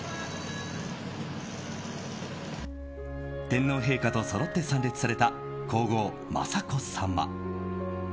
天皇陛下とそろって参列された皇后・雅子さま。